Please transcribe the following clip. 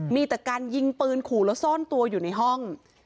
มีแต่การยิงปืนขู่แล้วซ่อนตัวอยู่ในห้อง